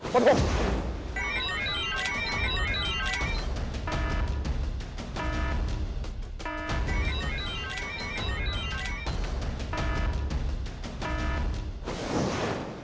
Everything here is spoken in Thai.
ส่วนครบ